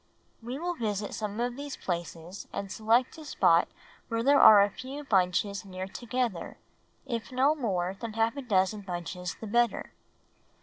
We will visit some of these places and select a spot where there are a few bunches near together, if no more than a half dozen bunches the better.